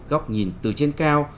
góc nhìn từ trên cao